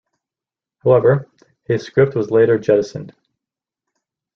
However, his script was later jettisoned.